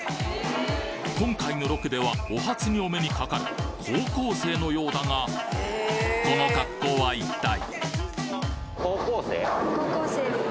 今回のロケではお初にお目にかかる高校生のようだがこの格好は一体？